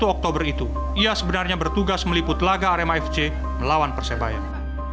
satu oktober itu ia sebenarnya bertugas meliput laga arema fc melawan persebaya